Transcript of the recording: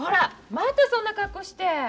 またそんな格好して！